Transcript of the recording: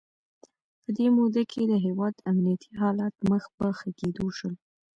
په دې موده کې د هیواد امنیتي حالات مخ په ښه کېدو شول.